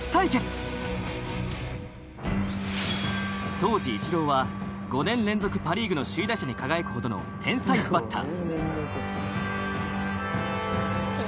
当時イチローは５年連続パ・リーグの首位打者に輝くほどの天才バッター。